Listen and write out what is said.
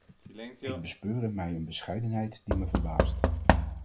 Ik bespeur in mij een bescheidenheid die me verbaast.